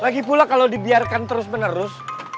lagipula kalau dibiarkan terus menerus